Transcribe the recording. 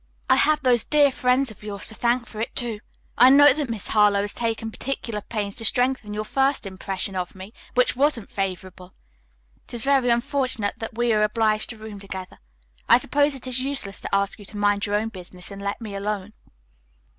I have those dear friends of yours to thank for it, too. I know that Miss Harlowe has taken particular pains to strengthen your first impression of me, which wasn't favorable. It is very unfortunate that we are obliged to room together. I suppose it is useless to ask you to mind your own business and let me alone."